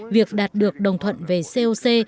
việc đạt được đồng thuận về coc